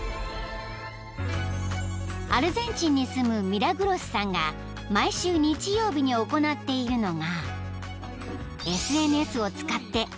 ［アルゼンチンに住むミラグロスさんが毎週日曜日に行っているのが］